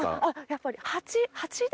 やっぱり。